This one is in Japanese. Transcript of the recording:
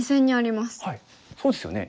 はいそうですよね。